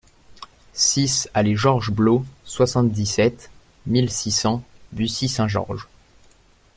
six allée Georges Blot, soixante-dix-sept mille six cents Bussy-Saint-Georges